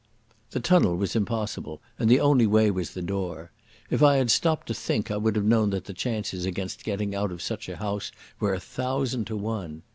The tunnel was impossible, and the only way was the door. If I had stopped to think I would have known that the chances against getting out of such a house were a thousand to one.